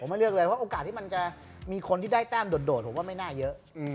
เพราะโอกาสที่มันจะมีคนที่ได้แต้มโดดผมว่าไม่น่าเยอะ